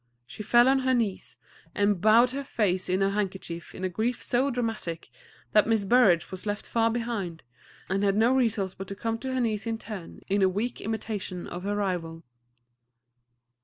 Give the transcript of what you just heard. She fell on her knees, and bowed her face in her handkerchief in a grief so dramatic that Miss Burrage was left far behind, and had no resource but to come to her knees in turn, in a weak imitation of her rival.